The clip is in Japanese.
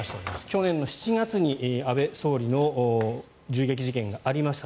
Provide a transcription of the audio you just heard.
去年の７月に安倍総理の銃撃事件がありました。